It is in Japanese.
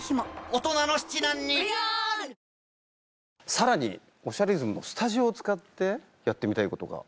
さらに『おしゃれイズム』のスタジオを使ってやってみたいことがある。